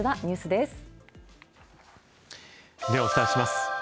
ではお伝えします。